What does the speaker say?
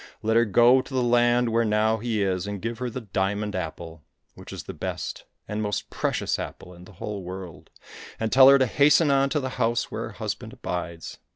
Let her go to the land where now he is, and give her the diamond apple, which is the best and most precious apple in the whole world, and tell her to hasten on to the house where her husband abides.